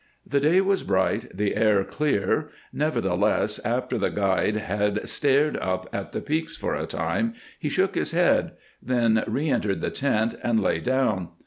The day was bright, the air clear, nevertheless after the guide had stared up at the peaks for a time he shook his head, then re entered the tent and lay down.